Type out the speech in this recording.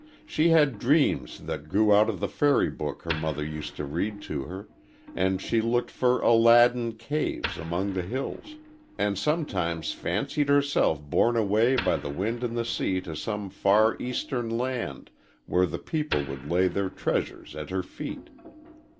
She had dreams that grew out of the fairy book her mother used to read to her, and she looked for Aladdin caves among the hills, and sometimes fancied herself borne away by the wind and the sea to some far Eastern land where the people would lay their treasures at her feet.